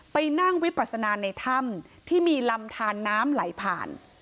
ไปนั่งวิปัสนาในถ้ำที่มีลำทานน้ำไหลผ่าน